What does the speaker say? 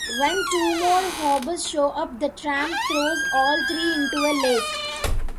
When two more hobos show up, the Tramp throws all three into a lake.